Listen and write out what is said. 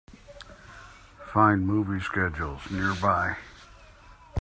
Find movie schedules nearby.